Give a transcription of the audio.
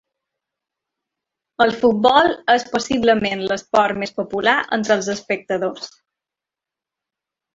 El futbol és possiblement l'esport més popular entre els espectadors.